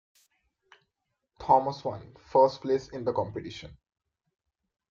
Thomas one first place in the competition.